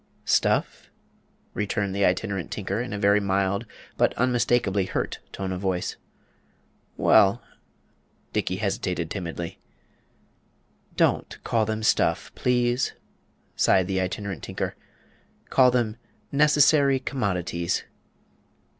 "Stuff?" returned the Itinerant Tinker, in a very mild, but unmistakably hurt tone of voice. "Well " Dickey hesitated timidly. "Don't call them stuff, please," sighed the Itinerant Tinker; "call them necessary commodities."